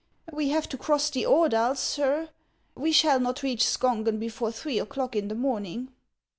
" We have to cross the Ordals, sir ; we shall not reach Skongen before three o'clock in the morning."